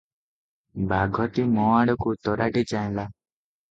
ବାଘଟି ମୋ ଆଡ଼କୁ ତରାଟି ଚାହିଁଲା ।